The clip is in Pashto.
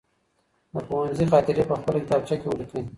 د پوهنځي خاطرې په خپله کتابچه کي ولیکئ.